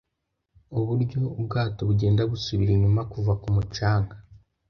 Uburyo ubwato bugenda busubira inyuma kuva ku mucanga